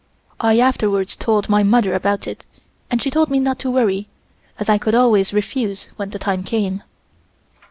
I afterwards told my mother about it and she told me not to worry, as I could always refuse when the time came.